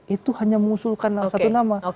itu hanya mengusulkan satu nama